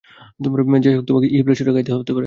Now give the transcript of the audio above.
যাইহোক, তোমাকে ই-ফ্ল্যাট সুরে গাইতে হবে।